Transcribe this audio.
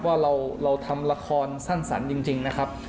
ว่าเราทำละครสั้นจริงนะครับ